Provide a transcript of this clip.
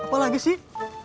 apa lagi sih